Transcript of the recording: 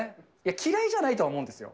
嫌いじゃないとは思うんですよ。